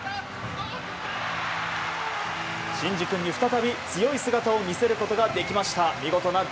真士君に、再び強い姿を見せることができました。